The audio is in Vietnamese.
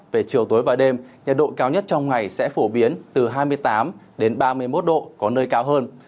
về chiều tối và đêm nhiệt độ cao nhất trong ngày sẽ phổ biến từ hai mươi tám ba mươi một độ có nơi cao hơn